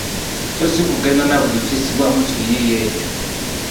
Sso si kugenda na buli kissibbwa mu kiyiiye ekyo.